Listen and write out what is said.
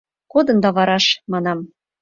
— Кодында вараш, — манам